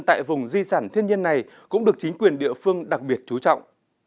tại vùng di sản thiên nhiên này cũng được chính quyền địa phương đặc biệt chú trọng